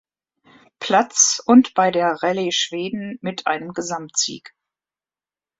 Platz und bei der Rallye Schweden mit einem Gesamtsieg.